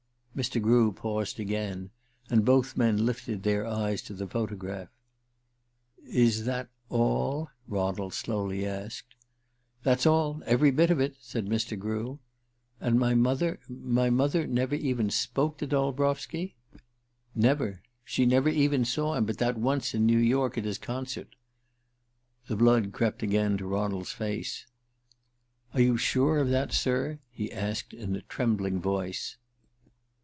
Mr. Grew paused again, and both men lifted their eyes to the photograph. "Is that all?" Ronald slowly asked. "That's all every bit of it," said Mr. Grew. "And my mother my mother never even spoke to Dolbrowski?" "Never. She never even saw him but that once in New York at his concert." The blood crept again to Ronald's face. "Are you sure of that, sir?" he asked in a trembling voice.